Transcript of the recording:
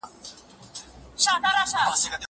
کتابونه د زده کوونکي له خوا وړل کيږي!؟